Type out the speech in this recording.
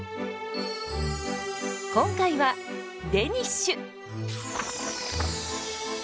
今回はデニッシュ！